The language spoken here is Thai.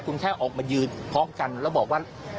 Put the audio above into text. คุณแค่ออกมายืนพร้อมกันแล้วบอกว่า